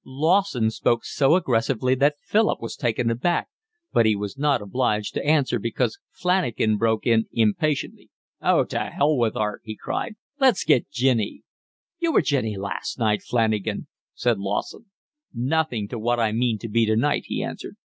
Lawson spoke so aggressively that Philip was taken aback, but he was not obliged to answer because Flanagan broke in impatiently. "Oh, to hell with art!" he cried. "Let's get ginny." "You were ginny last night, Flanagan," said Lawson. "Nothing to what I mean to be tonight," he answered.